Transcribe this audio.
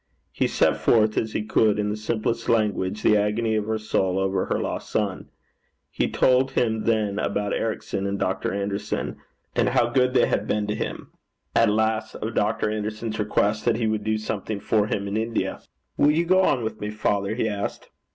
He set forth, as he could, in the simplest language, the agony of her soul over her lost son. He told him then about Ericson, and Dr. Anderson, and how good they had been to him, and at last of Dr. Anderson's request that he would do something for him in India. 'Will ye gang wi' me, father?' he asked.